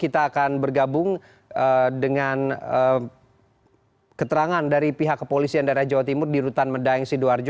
kita akan bergabung dengan keterangan dari pihak kepolisian daerah jawa timur di rutan medaeng sidoarjo